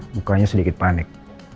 mukanya sedikit panik